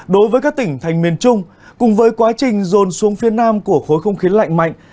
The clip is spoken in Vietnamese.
đối với các tỉnh thành miền trung cùng với quá trình dồn xuống phía nam của khối không khí lạnh mạnh